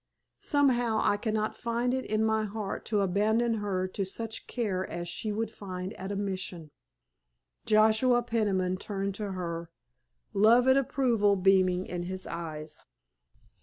Somehow I cannot find it in my heart to abandon her to such care as she would find at a Mission." Joshua Peniman turned to her, love and approval beaming in his eyes.